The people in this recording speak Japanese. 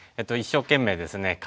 一生懸命ですね